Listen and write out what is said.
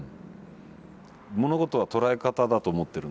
物事は捉え方だと思ってるので。